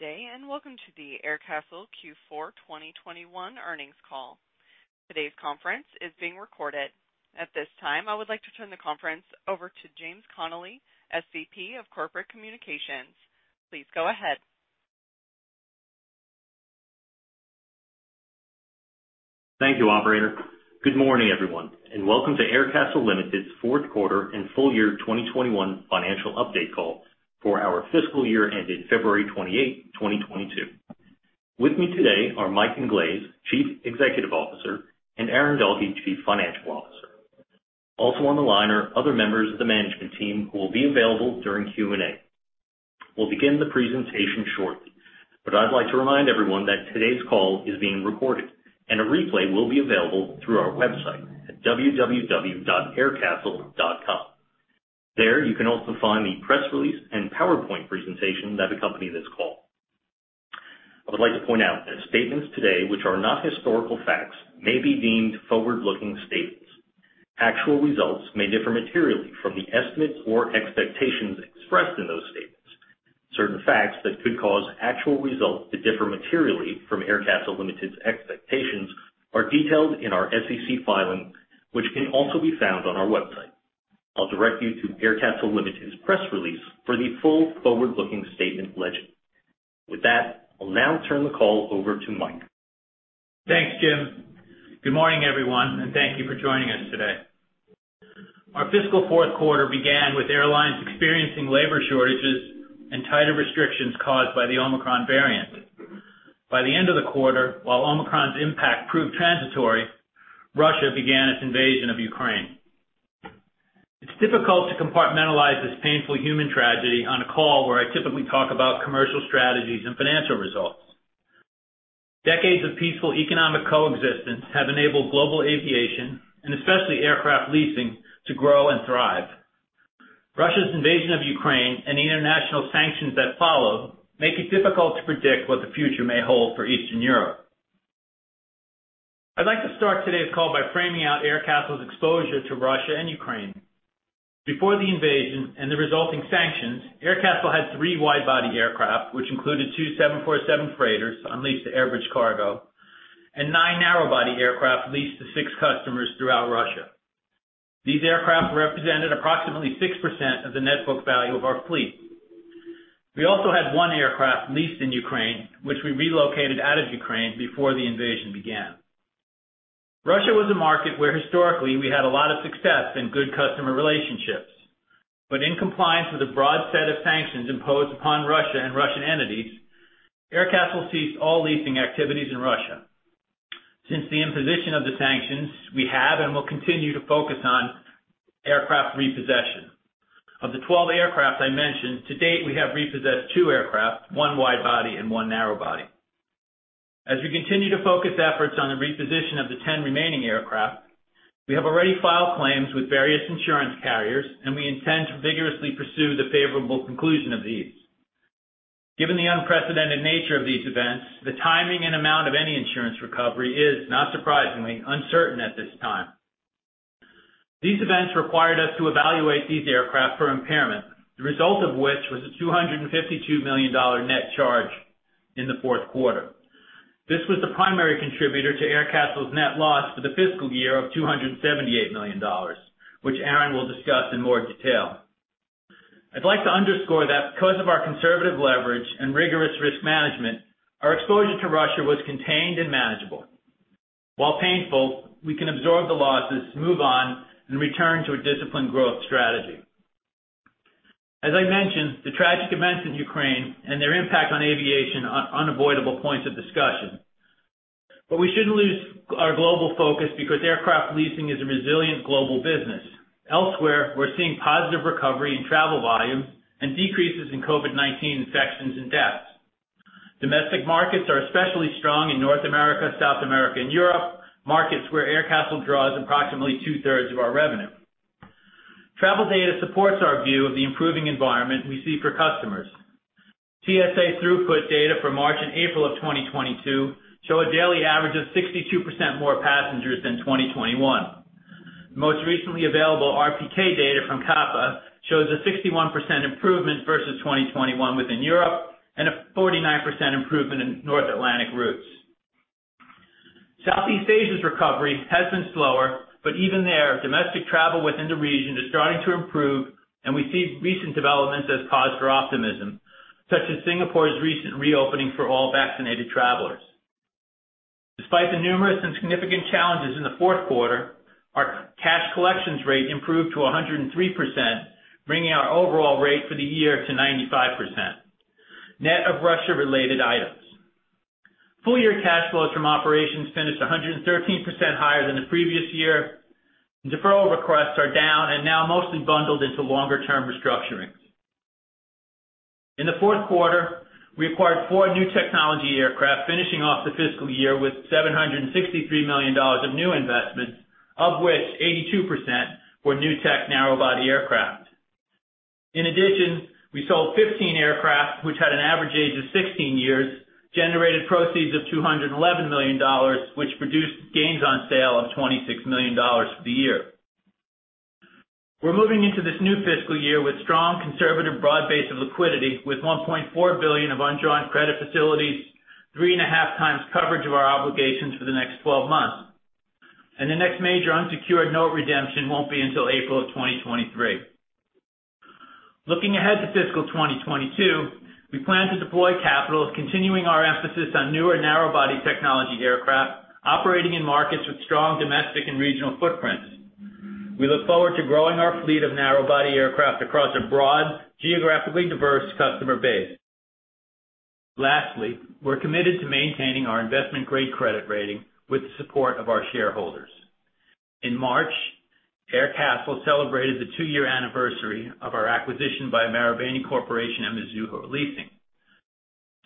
day, and welcome to the Aircastle Q4 2021 earnings call. Today's conference is being recorded. At this time, I would like to turn the conference over to James Connelly, SVP of Corporate Communications. Please go ahead. Thank you, operator. Good morning, everyone, and welcome to Aircastle Limited's fourth quarter and full-year 2021 financial update call for our fiscal year ended February 28, 2022. With me today are Mike Inglese, Chief Executive Officer, and Aaron Dahlke, Chief Financial Officer. Also on the line are other members of the management team who will be available during Q&A. We'll begin the presentation shortly, but I'd like to remind everyone that today's call is being recorded, and a replay will be available through our website at www.aircastle.com. There, you can also find the press release and PowerPoint presentation that accompany this call. I would like to point out that statements today which are not historical facts may be deemed forward-looking statements. Actual results may differ materially from the estimates or expectations expressed in those statements. Certain facts that could cause actual results to differ materially from Aircastle Limited's expectations are detailed in our SEC filing, which can also be found on our website. I'll direct you to Aircastle Limited's press release for the full forward-looking statement legend. With that, I'll now turn the call over to Mike. Thanks, Jim. Good morning, everyone, and thank you for joining us today. Our fiscal fourth quarter began with airlines experiencing labor shortages and tighter restrictions caused by the Omicron variant. By the end of the quarter, while Omicron's impact proved transitory, Russia began its invasion of Ukraine. It's difficult to compartmentalize this painful human tragedy on a call where I typically talk about commercial strategies and financial results. Decades of peaceful economic coexistence have enabled global aviation, and especially aircraft leasing, to grow and thrive. Russia's invasion of Ukraine and the international sanctions that followed make it difficult to predict what the future may hold for Eastern Europe. I'd like to start today's call by framing out Aircastle's exposure to Russia and Ukraine. Before the invasion and the resulting sanctions, Aircastle had three wide-body aircraft, which included two 747 freighters on lease to AirBridgeCargo, and nine narrow-body aircraft leased to six customers throughout Russia. These aircraft represented approximately 6% of the net book value of our fleet. We also had one aircraft leased in Ukraine, which we relocated out of Ukraine before the invasion began. Russia was a market where historically we had a lot of success and good customer relationships. In compliance with a broad set of sanctions imposed upon Russia and Russian entities, Aircastle ceased all leasing activities in Russia. Since the imposition of the sanctions, we have and will continue to focus on aircraft repossession. Of the 12 aircraft I mentioned, to date, we have repossessed two aircraft, one wide-body and one narrow-body. As we continue to focus efforts on the reposition of the 10 remaining aircraft, we have already filed claims with various insurance carriers, and we intend to vigorously pursue the favorable conclusion of these. Given the unprecedented nature of these events, the timing and amount of any insurance recovery is, not surprisingly, uncertain at this time. These events required us to evaluate these aircraft for impairment, the result of which was a $252 million net charge in the fourth quarter. This was the primary contributor to Aircastle's net loss for the fiscal year of $278 million, which Aaron will discuss in more detail. I'd like to underscore that because of our conservative leverage and rigorous risk management, our exposure to Russia was contained and manageable. While painful, we can absorb the losses, move on, and return to a disciplined growth strategy. As I mentioned, the tragic events in Ukraine and their impact on aviation are unavoidable points of discussion. We shouldn't lose our global focus because aircraft leasing is a resilient global business. Elsewhere, we're seeing positive recovery in travel volume and decreases in COVID-19 infections and deaths. Domestic markets are especially strong in North America, South America, and Europe, markets where Aircastle draws approximately two-thirds of our revenue. Travel data supports our view of the improving environment we see for customers. TSA throughput data for March and April of 2022 show a daily average of 62% more passengers than 2021. Most recently available RPK data from CAPA shows a 61% improvement versus 2021 within Europe and a 49% improvement in North Atlantic routes. Southeast Asia's recovery has been slower, but even there, domestic travel within the region is starting to improve, and we see recent developments as cause for optimism, such as Singapore's recent reopening for all vaccinated travelers. Despite the numerous and significant challenges in the fourth quarter, our cash collections rate improved to 103%, bringing our overall rate for the year to 95%, net of Russia-related items. Full-year cash flows from operations finished 113% higher than the previous year. Deferral requests are down and now mostly bundled into longer-term restructurings. In the fourth quarter, we acquired four new technology aircraft, finishing off the fiscal year with $763 million of new investments, of which 82% were new tech narrow-body aircraft. In addition, we sold 15 aircraft which had an average age of 16 years, generated proceeds of $211 million, which produced gains on sale of $26 million for the year. We're moving into this new fiscal year with strong conservative broad base of liquidity, with $1.4 billion of undrawn credit facilities, 3.5x coverage of our obligations for the next 12 months. The next major unsecured note redemption won't be until April 2023. Looking ahead to fiscal 2022, we plan to deploy capital, continuing our emphasis on newer narrow body technology aircraft operating in markets with strong domestic and regional footprints. We look forward to growing our fleet of narrow body aircraft across a broad, geographically diverse customer base. Lastly, we're committed to maintaining our investment-grade credit rating with the support of our shareholders. In March, Aircastle celebrated the two-year anniversary of our acquisition by Marubeni Corporation and Mizuho Leasing.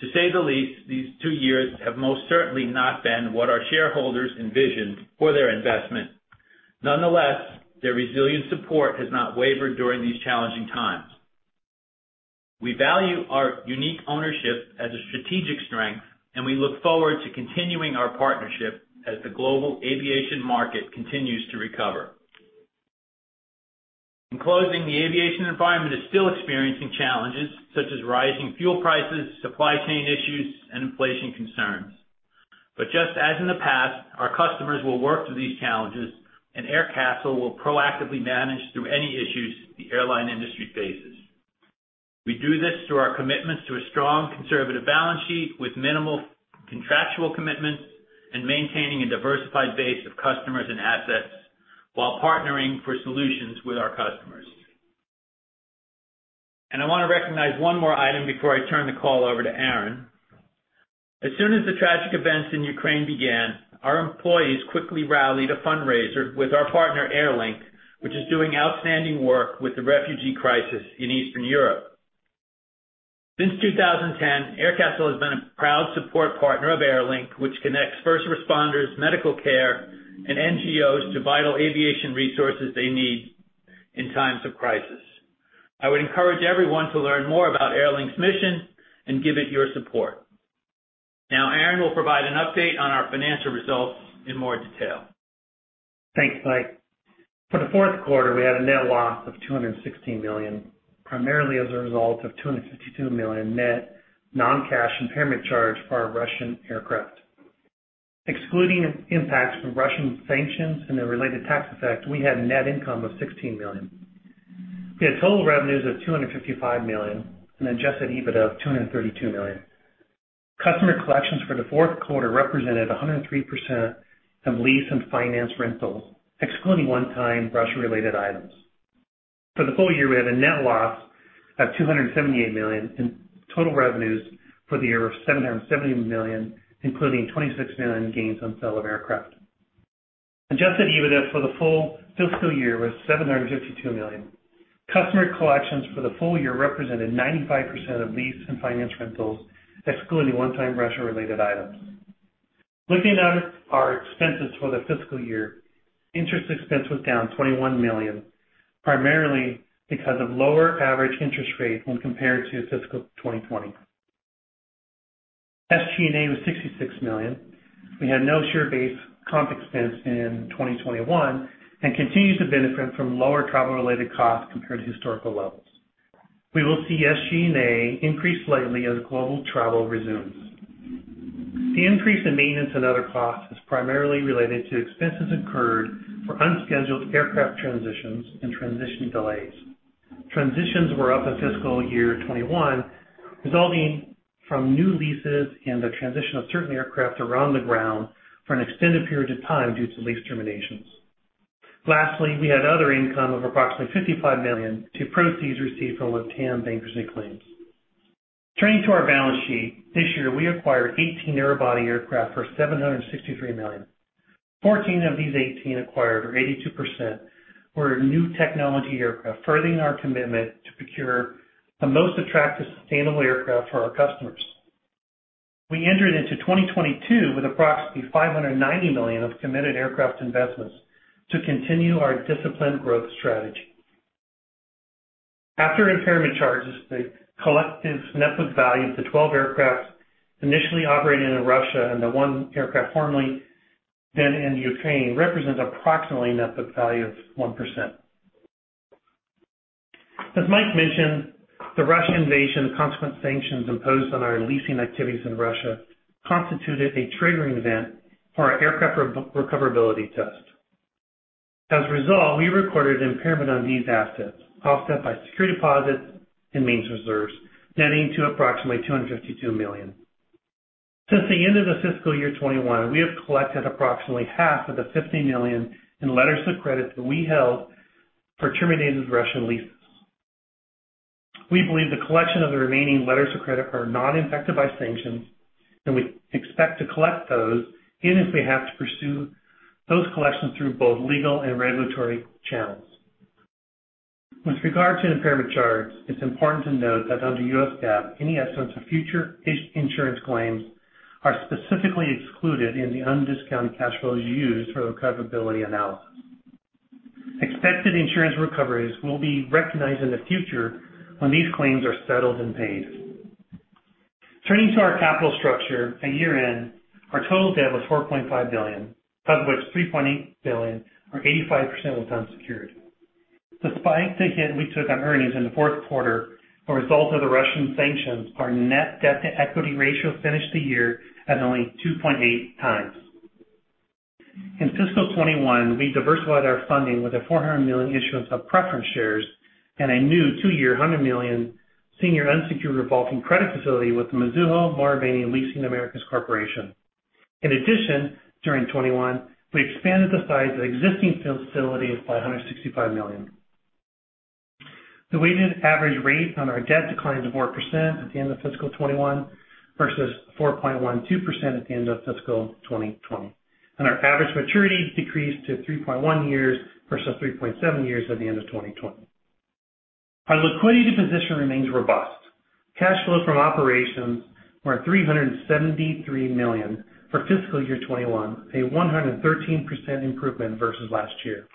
To say the least, these two years have most certainly not been what our shareholders envisioned for their investment. Nonetheless, their resilient support has not wavered during these challenging times. We value our unique ownership as a strategic strength, and we look forward to continuing our partnership as the global aviation market continues to recover. In closing, the aviation environment is still experiencing challenges such as rising fuel prices, supply chain issues, and inflation concerns. Just as in the past, our customers will work through these challenges, and Aircastle will proactively manage through any issues the airline industry faces. We do this through our commitments to a strong conservative balance sheet with minimal contractual commitments and maintaining a diversified base of customers and assets while partnering for solutions with our customers. I want to recognize one more item before I turn the call over to Aaron. As soon as the tragic events in Ukraine began, our employees quickly rallied a fundraiser with our partner, Airlink, which is doing outstanding work with the refugee crisis in Eastern Europe. Since 2010, Aircastle has been a proud support partner of Airlink, which connects first responders, medical care, and NGOs to vital aviation resources they need in times of crisis. I would encourage everyone to learn more about Airlink's mission and give it your support. Now, Aaron will provide an update on our financial results in more detail. Thanks, Mike. For the fourth quarter, we had a net loss of $216 million, primarily as a result of $262 million net non-cash impairment charge for our Russian aircraft. Excluding impacts from Russian sanctions and the related tax effect, we had net income of $16 million. We had total revenues of $255 million and adjusted EBIT of $232 million. Customer collections for the fourth quarter represented 103% of lease and finance rentals, excluding one-time Russia-related items. For the full-year, we had a net loss of $278 million and total revenues for the year of $770 million, including $26 million gains on sale of aircraft. Adjusted EBIT for the full-fiscal-year was $752 million. Customer collections for the full-year represented 95% of lease and finance rentals, excluding one-time Russia-related items. Looking at our expenses for the fiscal year, interest expense was down $21 million, primarily because of lower average interest rate when compared to fiscal 2020. SG&A was $66 million. We had no share-based comp expense in 2021 and continue to benefit from lower travel-related costs compared to historical levels. We will see SG&A increase slightly as global travel resumes. The increase in maintenance and other costs is primarily related to expenses incurred for unscheduled aircraft transitions and transition delays. Transitions were up in fiscal year 2021, resulting from new leases and the transition of certain aircraft on the ground for an extended period of time due to lease terminations. Lastly, we had other income of approximately $55 million from proceeds received from LATAM bankruptcy claims. Turning to our balance sheet. This year, we acquired 18 narrow body aircraft for $763 million. Fourteen of these 18 acquired, or 82%, were new technology aircraft, furthering our commitment to procure the most attractive, sustainable aircraft for our customers. We entered into 2022 with approximately $590 million of committed aircraft investments to continue our disciplined growth strategy. After impairment charges, the collective net book value of the 12 aircraft initially operating in Russia and the one aircraft formerly then in Ukraine represents approximately net book value of 1%. As Mike mentioned, the Russian invasion and consequent sanctions imposed on our leasing activities in Russia constituted a triggering event for our aircraft recoverability test. As a result, we recorded impairment on these assets, offset by security deposits and maintenance reserves, netting to approximately $252 million. Since the end of the fiscal year 2021, we have collected approximately half of the $50 million in letters of credit that we held for terminated Russian leases. We believe the collection of the remaining letters of credit are not impacted by sanctions, and we expect to collect those, even if we have to pursue those collections through both legal and regulatory channels. With regard to impairment charges, it's important to note that under US GAAP, any estimates of future insurance claims are specifically excluded in the undiscounted cash flows used for recoverability analysis. Expected insurance recoveries will be recognized in the future when these claims are settled and paid. Turning to our capital structure at year-end, our total debt was $4.5 billion, of which $3.8 billion or 85% was unsecured. Despite the hit we took on earnings in the fourth quarter, a result of the Russian sanctions, our net debt-to-equity ratio finished the year at only 2.8x. In fiscal 2021, we diversified our funding with a $400 million issuance of preference shares and a new two-year $100 million senior unsecured revolving credit facility with Mizuho Marubeni Leasing Americas Corporation. In addition, during 2021, we expanded the size of existing facilities by a $165 million. The weighted average rate on our debt declined to 4% at the end of fiscal 2021 versus 4.12% at the end of fiscal 2020. Our average maturity decreased to 3.1 years versus 3.7 years at the end of 2020. Our liquidity position remains robust. Cash flow from operations were $373 million for fiscal year 2021, a 113% improvement versus last year.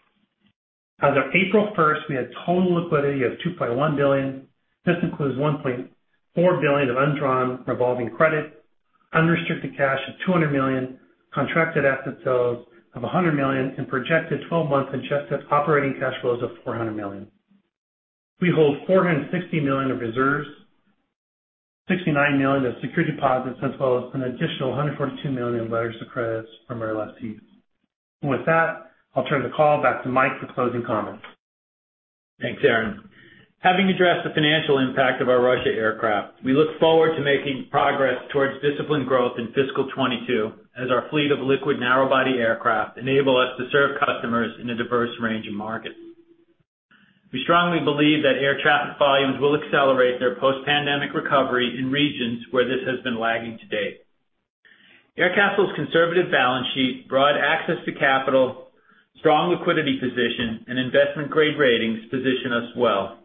As of April first, we had total liquidity of $2.1 billion. This includes $1.4 billion of undrawn revolving credit, unrestricted cash of $200 million, contracted asset sales of $100 million, and projected 12 months adjusted operating cash flows of $400 million. We hold $460 million of reserves, $69 million of security deposits, as well as an additional $142 million in letters of credit from our lessees. With that, I'll turn the call back to Mike for closing comments. Thanks, Aaron. Having addressed the financial impact of our Russian aircraft, we look forward to making progress towards disciplined growth in fiscal 2022 as our fleet of liquid narrow-body aircraft enable us to serve customers in a diverse range of markets. We strongly believe that air traffic volumes will accelerate their post-pandemic recovery in regions where this has been lagging to date. Aircastle's conservative balance sheet, broad access to capital, strong liquidity position, and investment grade ratings position us well.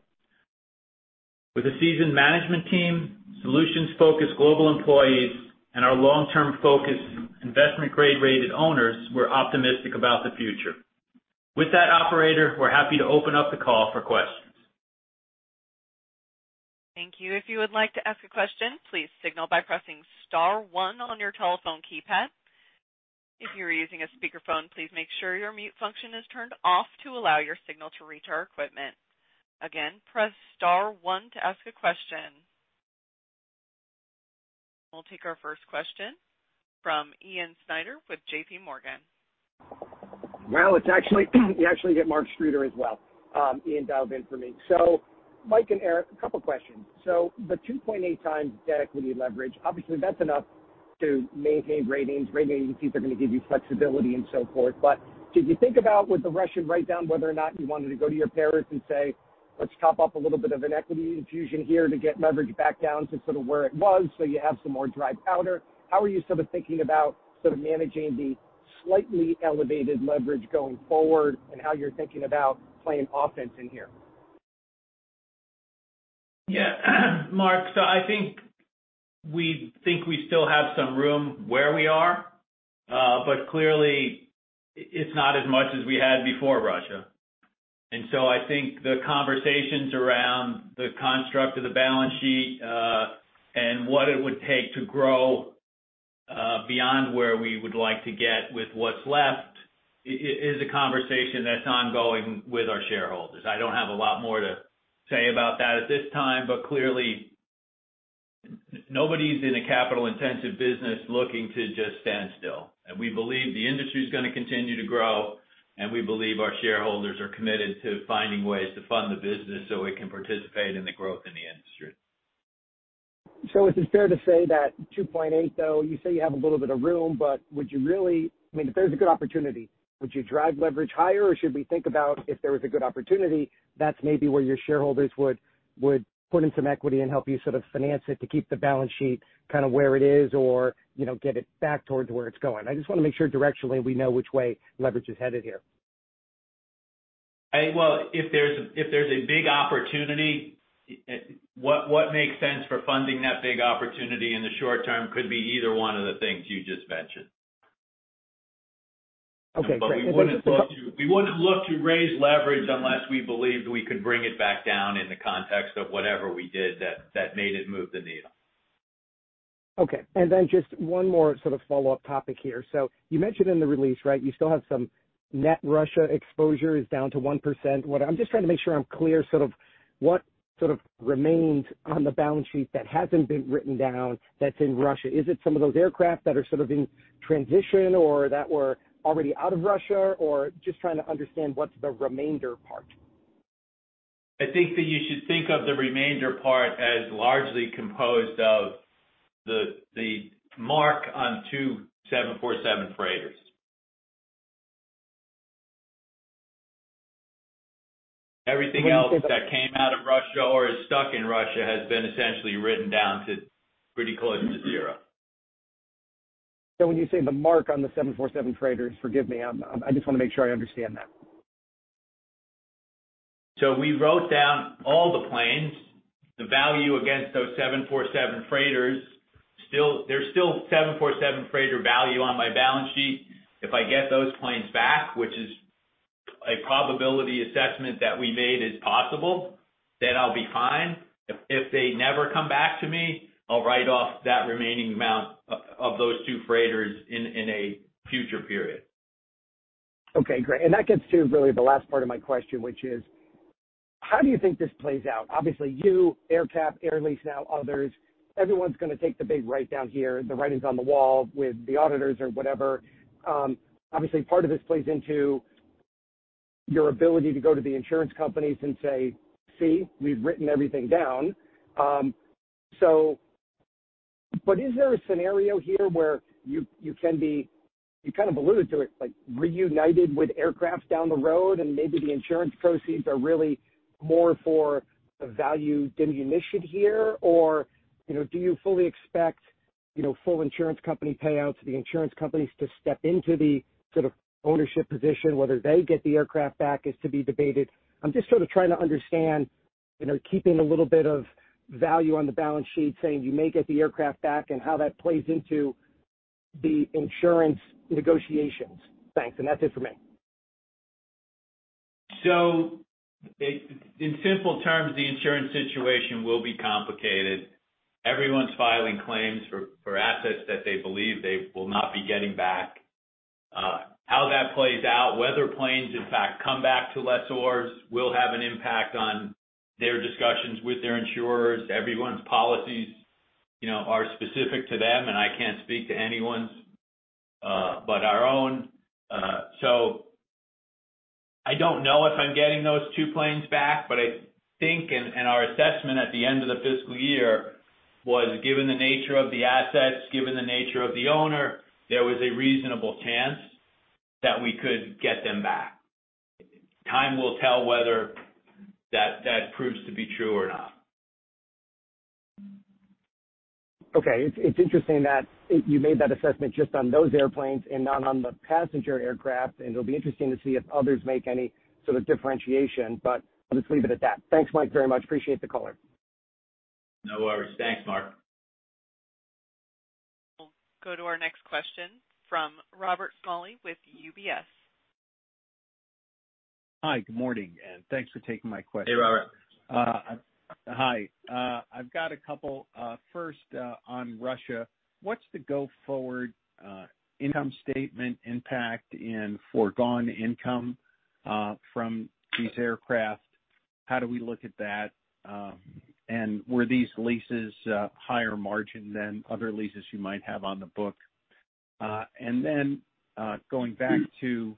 With a seasoned management team, solutions-focused global employees, and our long-term focused investment grade-rated owners, we're optimistic about the future. With that, operator, we're happy to open up the call for questions. Thank you. If you would like to ask a question, please signal by pressing star one on your telephone keypad. If you are using a speakerphone, please make sure your mute function is turned off to allow your signal to reach our equipment. Again, press star one to ask a question. We'll take our first question from Ian Snyder with J.P. Morgan. Well, actually you get Mark Streeter as well. Ian, dive in for me. Mike and Aaron, a couple questions. The 2.8x debt-equity leverage, obviously that's enough to maintain ratings. Rating agencies are going to give you flexibility and so forth. But did you think about with the Russian write-down whether or not you wanted to go to your parents and say, "Let's top up a little bit of an equity infusion here to get leverage back down to sort of where it was, so you have some more dry powder." How are you sort of thinking about sort of managing the slightly elevated leverage going forward and how you're thinking about playing offense in here? Yeah. Mark, I think we think we still have some room where we are, but clearly it's not as much as we had before Russia. I think the conversations around the construct of the balance sheet, and what it would take to grow, beyond where we would like to get with what's left is a conversation that's ongoing with our shareholders. I don't have a lot more to say about that at this time, but clearly nobody's in a capital-intensive business looking to just stand still. We believe the industry is gonna continue to grow, and we believe our shareholders are committed to finding ways to fund the business so we can participate in the growth in the industry. Is it fair to say that 2.8, though, you say you have a little bit of room, but would you really, I mean, if there's a good opportunity, would you drive leverage higher, or should we think about if there was a good opportunity, that's maybe where your shareholders would put in some equity and help you sort of finance it to keep the balance sheet kind of where it is or, you know, get it back towards where it's going. I just want to make sure directionally, we know which way leverage is headed here. Well, if there's a big opportunity, what makes sense for funding that big opportunity in the short term could be either one of the things you just mentioned. Okay, great. We wouldn't look to raise leverage unless we believed we could bring it back down in the context of whatever we did that made it move the needle. Okay. Just one more sort of follow-up topic here. You mentioned in the release, right, you still have some net Russia exposure is down to 1%. What I'm just trying to make sure I'm clear sort of what sort of remains on the balance sheet that hasn't been written down that's in Russia. Is it some of those aircraft that are sort of in transition or that were already out of Russia? Just trying to understand what's the remainder part. I think that you should think of the remainder part as largely composed of the mark on 747 freighters. Everything else that came out of Russia or is stuck in Russia has been essentially written down to pretty close to zero. When you say the market on the 747 freighters, forgive me, I just want to make sure I understand that. We wrote down all the planes. The value against those 747 freighters still, there's still 747 freighter value on my balance sheet. If I get those planes back, a probability assessment that we made is possible, then I'll be fine. If they never come back to me, I'll write off that remaining amount of those two freighters in a future period. Okay, great. That gets to really the last part of my question, which is: How do you think this plays out? Obviously, you, AerCap, Air Lease now others, everyone's gonna take the big write down here, the writing's on the wall with the auditors or whatever. Obviously, part of this plays into your ability to go to the insurance companies and say, "See, we've written everything down." Is there a scenario here where you can be, you kind of alluded to it, like, reunited with aircraft down the road and maybe the insurance proceeds are really more for a value diminution here? Or, you know, do you fully expect, you know, full insurance company payouts, the insurance companies to step into the sort of ownership position, whether they get the aircraft back is to be debated. I'm just sort of trying to understand, you know, keeping a little bit of value on the balance sheet, saying you may get the aircraft back and how that plays into the insurance negotiations. Thanks. That's it for me. In simple terms, the insurance situation will be complicated. Everyone's filing claims for assets that they believe they will not be getting back. How that plays out, whether planes, in fact, come back to lessors, will have an impact on their discussions with their insurers. Everyone's policies, you know, are specific to them, and I can't speak to anyone's but our own. I don't know if I'm getting those two planes back, but I think, and our assessment at the end of the fiscal year was, given the nature of the assets, given the nature of the owner, there was a reasonable chance that we could get them back. Time will tell whether that proves to be true or not. Okay. It's interesting that you made that assessment just on those airplanes and not on the passenger aircraft, and it'll be interesting to see if others make any sort of differentiation. I'll just leave it at that. Thanks, Mike, very much. Appreciate the call. No worries. Thanks, Mark. We'll go to our next question from Robert Smalley with UBS. Hi, good morning, and thanks for taking my question. Hey, Robert. Hi. I've got a couple. First, on Russia, what's the go-forward income statement impact in foregone income from these aircraft? How do we look at that? Were these leases higher margin than other leases you might have on the books? Then, going back to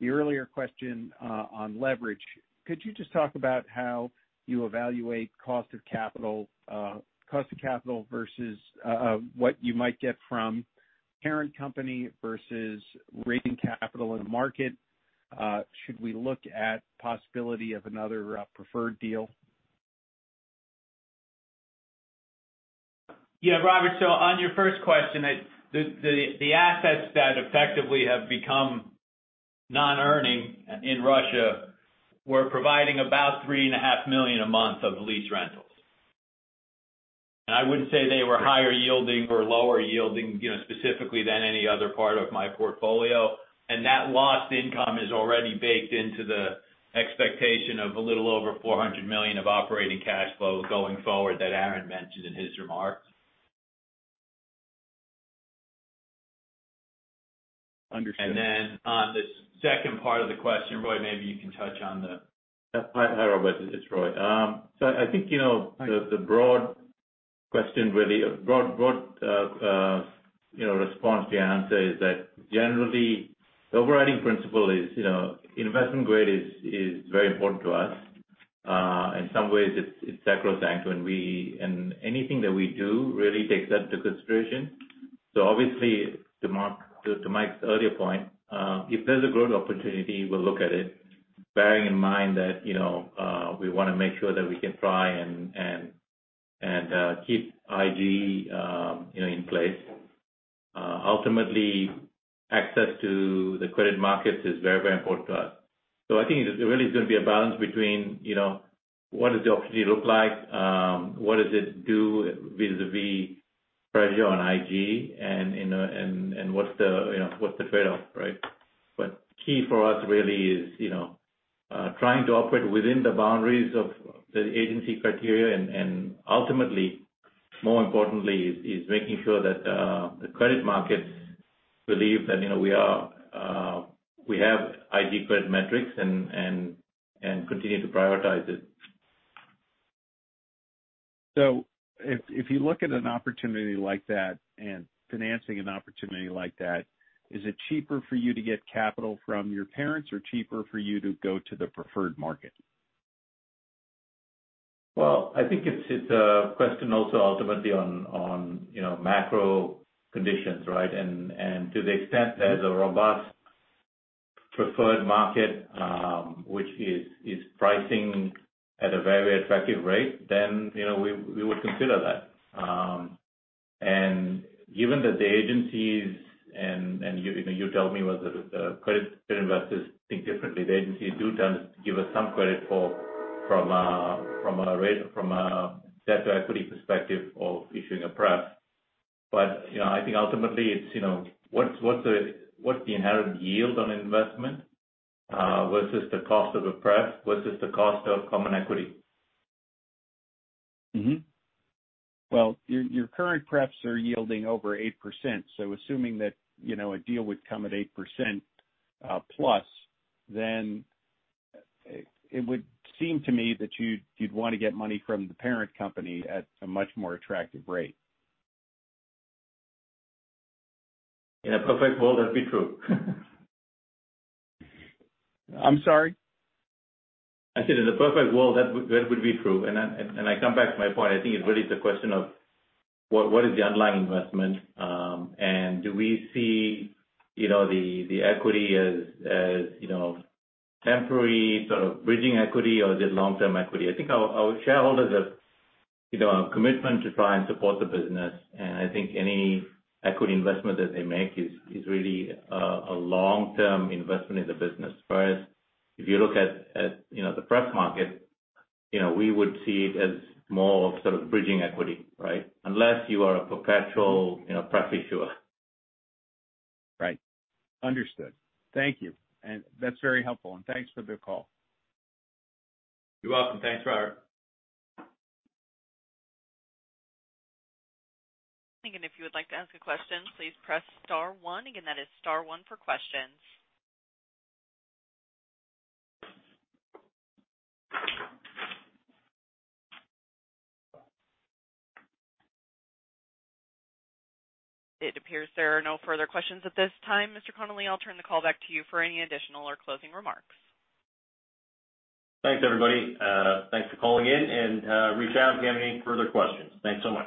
the earlier question, on leverage, could you just talk about how you evaluate cost of capital versus what you might get from parent company versus raising capital in the market? Should we look at possibility of another preferred deal? Yeah, Robert. On your first question, the assets that effectively have become non-earning in Russia were providing about $3.5 million a month of lease rentals. I wouldn't say they were higher yielding or lower yielding, you know, specifically than any other part of my portfolio. That lost income is already baked into the expectation of a little over $400 million of operating cash flow going forward that Aaron mentioned in his remarks. Understood. On the second part of the question, Roy, maybe you can touch on the- Hi, Robert. It's Roy. I think, you know, the broad question really, you know, response to your answer is that generally, the overriding principle is, you know, investment grade is very important to us. In some ways, it's sacrosanct. Anything that we do really takes that into consideration. Obviously, to Mike's earlier point, if there's a growth opportunity, we'll look at it, bearing in mind that, you know, we wanna make sure that we can try and keep IG, you know, in place. Ultimately, access to the credit markets is very important to us. I think it really is gonna be a balance between, you know, what does the opportunity look like? What does it do vis-à-vis pressure on IG and, you know, what's the trade-off, right? Key for us really is, you know, trying to operate within the boundaries of the agency criteria, and ultimately, more importantly, making sure that the credit markets believe that, you know, we have IG credit metrics and continue to prioritize it. If you look at an opportunity like that and financing an opportunity like that, is it cheaper for you to get capital from your parents or cheaper for you to go to the preferred market? Well, I think it's a question also ultimately on, you know, macro conditions, right? To the extent there's a robust preferred market, which is pricing at a very attractive rate, then, you know, we would consider that. Given that the agencies and you know, you tell me whether the credit investors think differently. The agencies do tend to give us some credit for from a debt-to-equity perspective of issuing a pref. You know, I think ultimately it's, you know, what's the inherent yield on investment versus the cost of a pref versus the cost of common equity. Mm-hmm. Well, your current prefs are yielding over 8%, so assuming that, you know, a deal would come at 8% +, then it would seem to me that you'd wanna get money from the parent company at a much more attractive rate. In a perfect world, that'd be true. I'm sorry? I said in a perfect world, that would be true. I come back to my point. I think it really is a question of what is the underlying investment, and do we see, you know, the equity as, you know, temporary sort of bridging equity or is it long-term equity? I think our shareholders have, you know, a commitment to try and support the business, and I think any equity investment that they make is really a long-term investment in the business. Whereas if you look at, you know, the pref market, you know, we would see it as more of sort of bridging equity, right? Unless you are a perpetual, you know, pref issuer. Right. Understood. Thank you. That's very helpful, and thanks for the call. You're welcome. Thanks, Robert. Again, if you would like to ask a question, please press star one. Again, that is star one for questions. It appears there are no further questions at this time. Mr. Connelly, I'll turn the call back to you for any additional or closing remarks. Thanks, everybody. Thanks for calling in and reach out if you have any further questions. Thanks so much.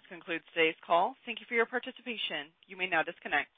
This concludes today's call. Thank you for your participation. You may now disconnect.